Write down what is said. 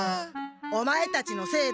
オマエたちのせいだ。